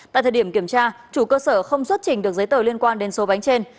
tại thời điểm kiểm tra chủ cơ sở không xuất trình được giấy tờ liên quan đến số bánh trên